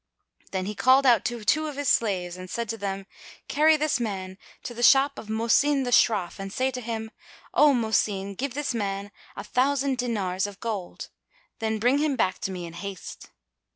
[FN#253] Then he called out to two of his slaves and said to them, "Carry this man to the shop of Mohsin the Shroff and say to him, 'O Mohsin, give this man a thousand dinars of gold;' then bring him back to me in haste."